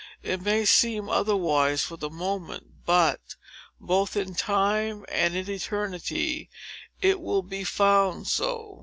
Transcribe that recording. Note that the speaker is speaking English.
It may seem otherwise for the moment; but, both in Time and in Eternity, it will be found so."